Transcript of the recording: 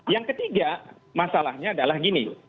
yang ketiga masalahnya adalah gini